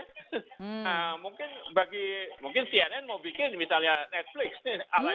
nah mungkin bagi mungkin cnn mau bikin misalnya netflix nih